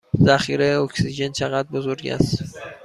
ذخیره اکسیژن چه قدر بزرگ است؟